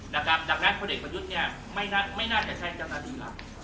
ดังนั้นพอเด็กพยุทธไม่น่าจะใช้กำลังดีหลัง